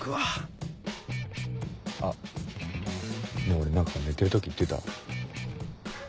俺何か寝てる時言ってた？